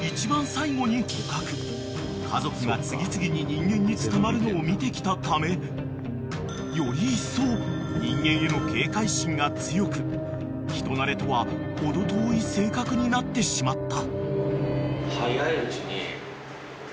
［家族が次々に人間に捕まるのを見てきたためよりいっそう人間への警戒心が強く人馴れとは程遠い性格になってしまった］